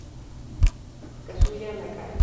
Kazuya Nakai